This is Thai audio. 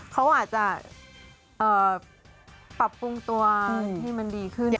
เขาอาจจะปรับปรุงตัวที่มันดีขึ้น